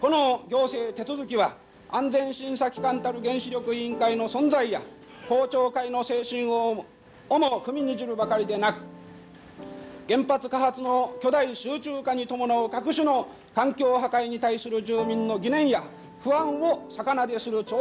この行政手続は安全審査機関たる原子力委員会の存在や公聴会の精神をも踏みにじるばかりでなく原発火発の巨大集中化に伴う各種の環境破壊に対する住民の疑念や不安を逆なでする挑戦的行為であります。